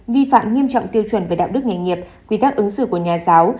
vi phạm nghiêm trọng tiêu chuẩn về đạo đức nghề nghiệp quy tắc ứng xử của nhà giáo